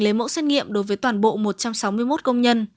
lấy mẫu xét nghiệm đối với toàn bộ một trăm sáu mươi một công nhân